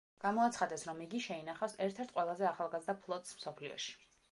გამოაცხადეს, რომ იგი შეინახავს ერთ-ერთ ყველაზე ახალგაზრდა ფლოტს მსოფლიოში.